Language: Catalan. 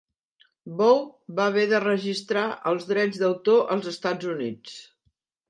Bou va haver de registrar els drets d'autor als Estats Units.